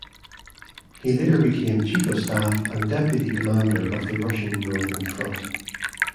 He later became chief of staff and deputy commander of the Russian Northern Front.